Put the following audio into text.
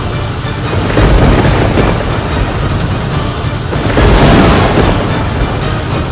rumahnya baru sampai empreh